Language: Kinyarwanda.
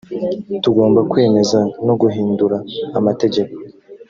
tugomba kwemeza no guhindura amategeko